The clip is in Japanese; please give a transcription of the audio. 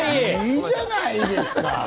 いいじゃないですか！